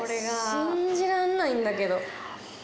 信じらんないんだけど。